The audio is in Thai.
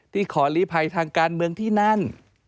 ขอลีภัยทางการเมืองที่นั่น